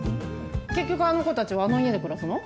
結局あの子たちはあの家で暮らすの？